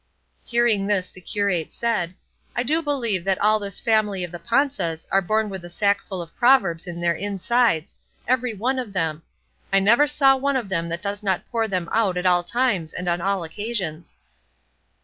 Hearing this the curate said, "I do believe that all this family of the Panzas are born with a sackful of proverbs in their insides, every one of them; I never saw one of them that does not pour them out at all times and on all occasions."